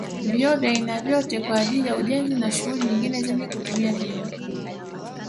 Vioo vya aina vyote kwa ajili ya ujenzi na shughuli nyingine zenye kutumia vioo